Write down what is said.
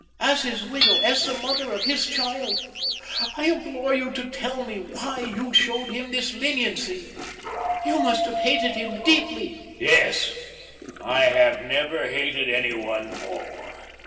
As his widow, as the mother of his child, I implore you to tell me why you showed him this leniency? You must have hated him deeply " "Yes. I have never hated any one more."